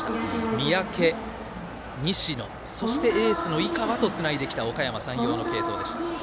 三宅、西野、そしてエースの井川とつないできたおかやま山陽の継投でした。